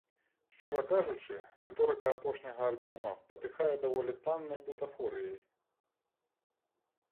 Шчыра кажучы, рыторыка апошняга альбома патыхае даволі таннай бутафорыяй.